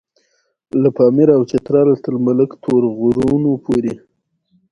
له پاميره او چتراله تر ملک تور غرونو پورې.